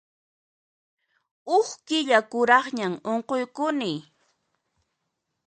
Huk killa kuraqñam unquykuni.